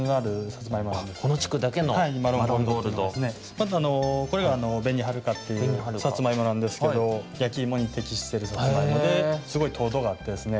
あとこれが「紅はるか」っていうさつまいもなんですけどやきいもにてきしてるさつまいもですごいとうどがあってですね